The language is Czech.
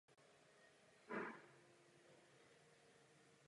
Získal několik vyznamenání.